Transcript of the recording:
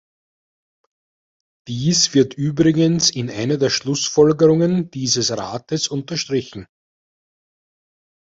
Dies wird übrigens in einer der Schlussfolgerungen dieses Rates unterstrichen.